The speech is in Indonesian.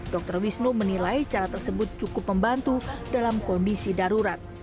dr wisnu menilai cara tersebut cukup membantu dalam kondisi darurat